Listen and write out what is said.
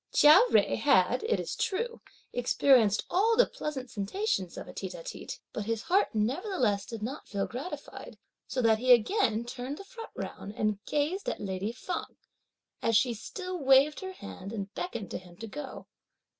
Chia Jui had, it is true, experienced all the pleasant sensations of a tête à tête, but his heart nevertheless did not feel gratified; so that he again turned the front round, and gazed at lady Feng, as she still waved her hand and beckoned to him to go.